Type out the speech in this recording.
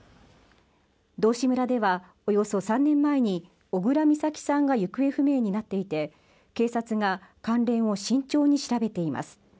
道志村ではおよそ３年前に小倉美咲さんが行方不明になっていて警察が関連を慎重に調べています